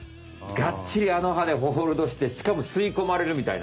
がっちりあの歯でホールドしてしかもすいこまれるみたいな。